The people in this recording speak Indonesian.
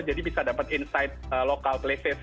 jadi bisa dapat insight lokal